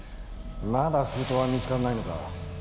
まだ封筒は見つからないのか？